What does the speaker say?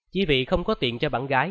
chí vị không có tiền cho bạn gái